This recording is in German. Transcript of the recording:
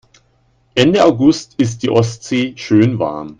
Ende August ist die Ostsee schön warm.